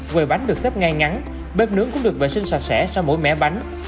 quầy bánh được xếp ngay ngắn bếp nướng cũng được vệ sinh sạch sẽ sau mỗi mẻ bánh